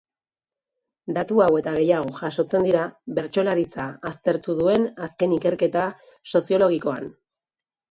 Datu hau eta gehiago jasotzen dira bertsolaritza aztertu duen azken ikerketa soziologikoan.